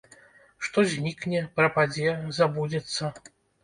Што знікне, прападзе, забудзецца?